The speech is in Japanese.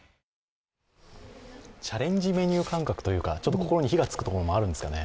チャレンジメニュー感覚というか、心に火がつく感覚もあるんですかね。